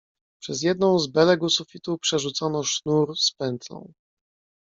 "Przez jedną z belek u sufitu przerzucono sznur z pętlą."